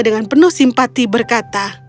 dengan penuh simpati berkata